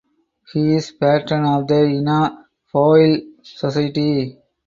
He is Patron of the Ina Boyle Society.